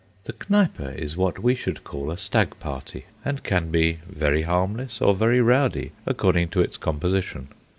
The Kneipe is what we should call a stag party, and can be very harmless or very rowdy, according to its composition.